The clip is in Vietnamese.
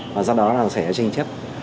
và do đó là xảy ra tranh chấp